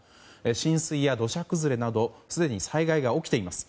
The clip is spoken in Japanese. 浸水や土砂崩れなどすでに災害が起きています。